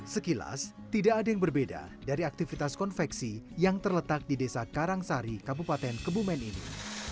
sekilas tidak ada yang berbeda dari aktivitas konveksi yang terletak di desa karangsari kabupaten kebumen ini